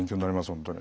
本当に。